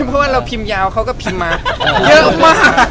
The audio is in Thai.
ถ้าเราพิมพ์ยาวเขาก็พิมพ์มาเยอะมาก